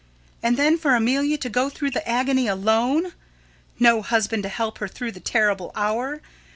And then for Amelia to go through the agony alone! No husband to help her through the terrible hour.